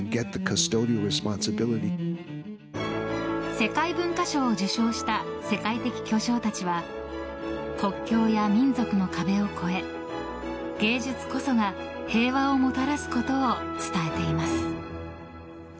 世界文化賞を受賞した世界的巨匠たちは国境や民族の壁を越え芸術こそが平和をもたらすことを伝えています。